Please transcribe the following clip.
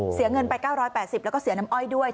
เสียเงินไป๙๘๐แล้วก็เสียน้ำอ้อยด้วย